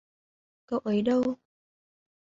Cậu ấy đâu